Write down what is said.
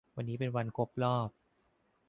วันนี้เป็นวันครบรอบ